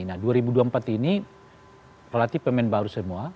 nah dua ribu dua puluh empat ini relatif pemain baru semua